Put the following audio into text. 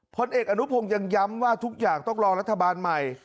พลเอกอนุพงศ์ยังย้ำว่าทุกอย่างต้องรอรัฐบาลใหม่